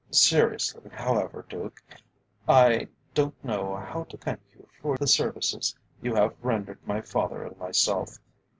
Seriously, however, Duke, I don't know how to thank you for the services you have rendered my father and myself.